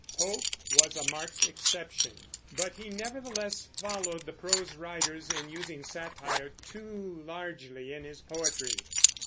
Pope was a marked exception, but he nevertheless followed the prose writers in using satire too largely in his poetry.